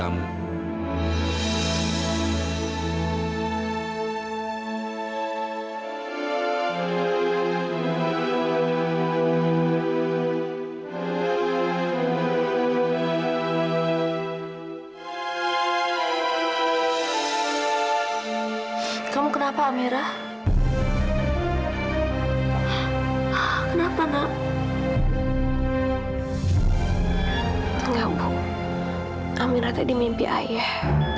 mira tadi mimpi ayah